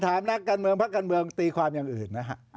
ถ้าไปถามนักการเมืองพระการเมืองตีความอย่างอื่นนะครับ